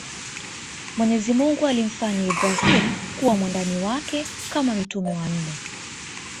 Mwenyezimungu alimfanya Ibrahim kuwa mwandani wake Kama mitume wanne